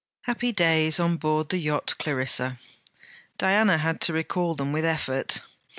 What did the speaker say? Happy days on board the yacht Clarissa! Diana had to recall them with effort.